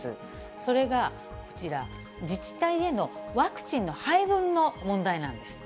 それがこちら、自治体へのワクチンの配分の問題なんです。